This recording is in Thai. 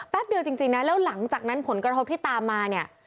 เดียวจริงนะแล้วหลังจากนั้นผลกระทบที่ตามมาเนี่ย